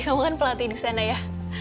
kamu kan pelatih disana ya